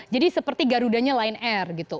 jadi seperti garudanya lion air gitu